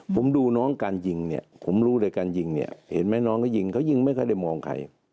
ผมดูน้องการยิงเนี่ยผมรู้เลยการยิงเนี่ยเห็นไหมน้องเขายิงเขายิงไม่ค่อยได้มองใคร